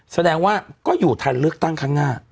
แสดงว่าก็อยู่ทันเลือกตั้งข้างหน้า